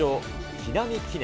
木南記念。